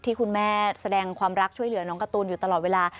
ที่คุณแม่แสดงความรักช่วยเหลือน้องการ์ตูนอยู่ตลอดเวลา